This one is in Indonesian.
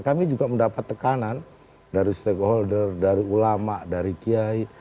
kami juga mendapat tekanan dari stakeholder dari ulama dari kiai